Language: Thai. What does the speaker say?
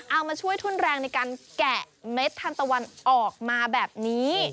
เอามาช่วยทุนแรงในการแกะเม็ดทันตะวันออกมาแบบนี้